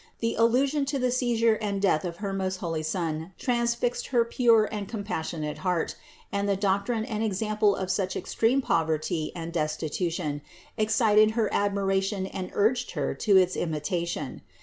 The allusion to the seizure and death of her most holy Son transfixed her pure and compassionate heart, and the doctrine and example of such extreme poverty and destitution excited her admiration and urged Her to its imitation.